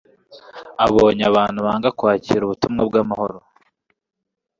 abonye abantu banga kwakira ubutumwa bw'amahoro.